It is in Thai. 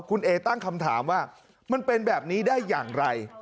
คุณเอตั้งคำถามว่ามันเป็นแบบนี้ได้อย่างไร